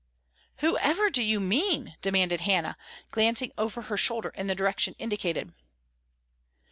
"Whoever do you mean?" demanded Hannah, glancing over her shoulder in the direction indicated.